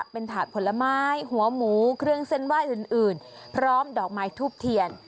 เป็นถาดผลไม้หัวหมูเครื่องเส้นไหว้อื่นพร้อมดอกไม้ทูบเทียน